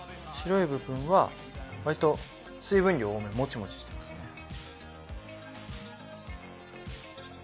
白い部分はわりと水分量多めもちもちしてますね。